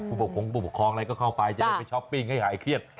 คงผู้ปกครองอะไรก็เข้าไปจะได้ไปช้อปปิ้งให้หายเครียด